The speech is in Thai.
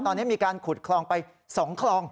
ตอนนี้มีการขุดคลองไป๒คลอง